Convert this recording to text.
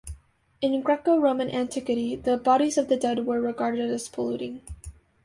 In Greco-Roman antiquity, the bodies of the dead were regarded as polluting.